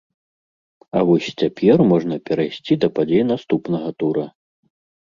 А вось цяпер можна перайсці да падзей наступнага тура!